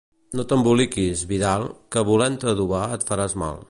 No t'emboliquis, Vidal, que volent-te adobar et faràs mal.